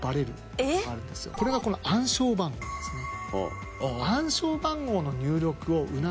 これがこの暗証番号なんですね。